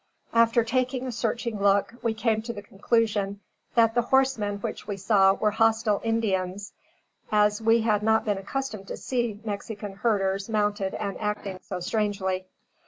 After taking a searching look, we came to the conclusion that the horsemen which we saw were hostile Indians, as we had not been accustomed to see Mexican herders mounted and acting so strangely.